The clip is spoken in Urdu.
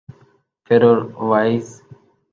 فیروئیز